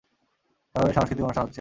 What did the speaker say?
শহরে সাংস্কৃতিক অনুষ্ঠান হচ্ছে।